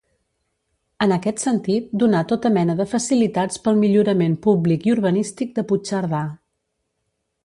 En aquest sentit, donà tota mena de facilitats pel millorament públic i urbanístic de Puigcerdà.